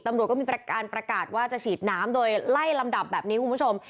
ตำรวจก็มีการประกาศว่าจะฉีดน้ำโดยไล่ลำดับแบบนี้คุณผู้ชม